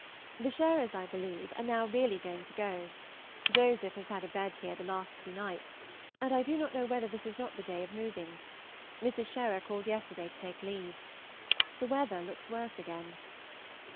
The Sherers, I believe, are now really going to go; Joseph has had a bed here the last two nights, and I do not know whether this is not the day of moving. Mrs. Sherer called yesterday to take leave. The weather looks worse again.